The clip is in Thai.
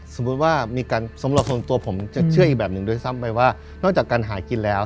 สมมุติว่าตัวผมจะเชื่ออีกแบบหนึ่งด้วยซ้ำไปว่านอกจากการหากินแล้ว